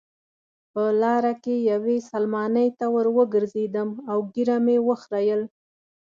په لاره کې یوې سلمانۍ ته وروګرځېدم او ږیره مې وخریل.